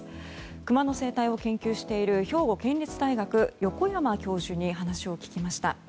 クマの生態を研究している兵庫県立大学横山教授に話を聞きました。